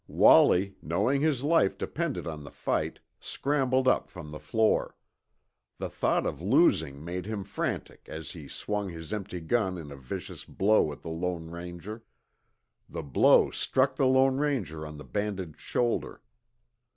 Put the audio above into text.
Wallie, knowing his life depended on the fight, scrambled up from the floor. The thought of losing made him frantic as he swung his empty gun in a vicious blow at the Lone Ranger. The blow struck the Lone Ranger on the bandaged shoulder.